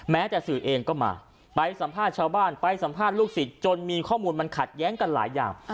แต่สื่อเองก็มาไปสัมภาษณ์ชาวบ้านไปสัมภาษณ์ลูกศิษย์จนมีข้อมูลมันขัดแย้งกันหลายอย่าง